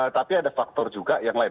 tapi ada faktor juga yang lain